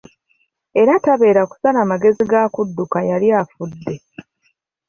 Era tabeera kusala magezi ga kudduka yali afudde.